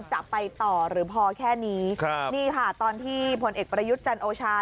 จะไปต่อหรือพอแค่นี้ครับนี่ค่ะตอนที่ผลเอกประยุทธ์จันโอชา